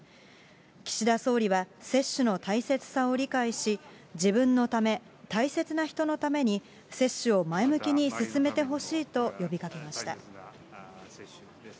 岸田総理は、接種の大切さを理解し、自分のため、大切な人のために接種を前向きに進めてほしいと呼びかけました。